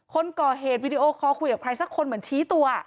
คนกอเหตุวิดีโอเขาคุยกับใครสักคนตรงนี้มันชี้ตัว